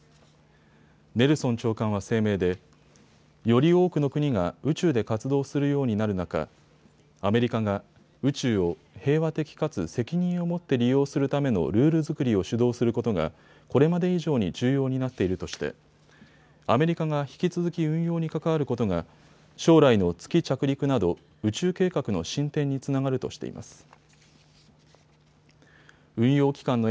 ネルソン長官は声明でより多くの国が宇宙で活動するようになる中、アメリカが宇宙を平和的かつ責任を持って利用するためのルール作りを主導することがこれまで以上に重要になっているとしてアメリカが引き続き運用に関わることが将来の月着陸など宇宙計画の進展につながるとしています。